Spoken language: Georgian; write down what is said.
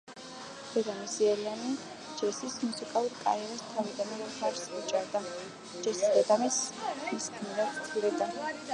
დედამისი-ელენი, ჯესის მუსიკალურ კარიერას თავიდანვე მხარს უჭერდა, ჯესი დედამისს, „მის გმირად“ თვლიდა.